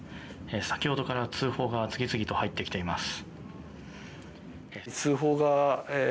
先ほどから通報が次々と入ってきています。